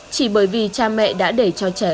chỉ bởi vì cha mẹ đã để cho trẻ